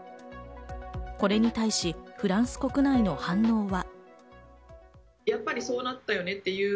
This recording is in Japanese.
これに対し、フランス国内の反応は。